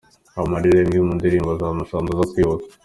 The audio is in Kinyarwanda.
Amarira, imwe mu ndirimbo za Masamba zo kwibuka.